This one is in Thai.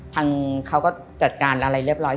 ทางเขาก็จัดการอะไรเรียบร้อย